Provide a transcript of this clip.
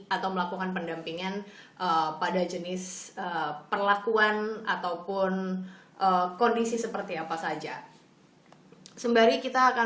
atau melakukan pendampingan pada jenis perlakuan ataupun kondisi seperti apa saja sembari kita akan